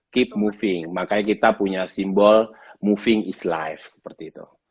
keep moving makanya kita punya simbol moving is life seperti itu